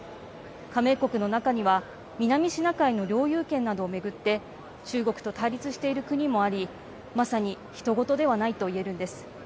加盟国の中には南シナ海の領有権などを巡って中国と対立している国もありまさに、ひと事ではないといえるんです。